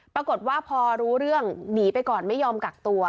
ปรากฏว่าพอรู้เรื่องหนีไปก่อนไม่ยอมกักตัว